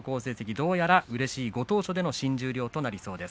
どうやら、うれしいご当所での新十両となりそうです。